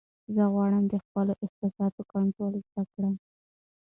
زه غواړم د خپلو احساساتو کنټرول زده کړم.